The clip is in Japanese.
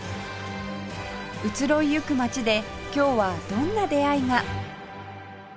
移ろいゆく街で今日はどんな出会いが？